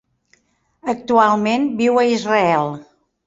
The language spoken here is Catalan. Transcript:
Actualment viu a Israel.